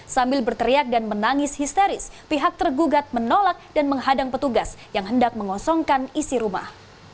sambil berteriak dan menangis histeris pihak tergugat menolak dan menghadang petugas yang hendak mengosongkan isi rumah